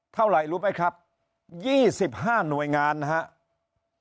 เท่าไหร่รู้ไหมครับ๒๕หน่วยงานนะครับ